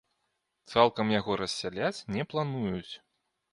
Цалкам яго рассяляць не плануюць.